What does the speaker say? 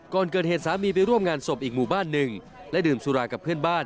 ก่อนเกิดเหตุสามีไปร่วมงานศพอีกหมู่บ้านหนึ่งและดื่มสุรากับเพื่อนบ้าน